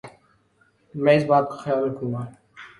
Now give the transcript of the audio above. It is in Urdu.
میں اس بات کا خیال رکھوں گا ـ